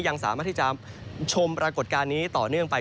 ยังสามารถที่จะชมปรากฏการณ์นี้ต่อเนื่องไป